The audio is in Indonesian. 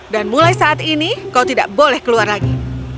dan mulai saat ini kau tidak boleh keluar lagi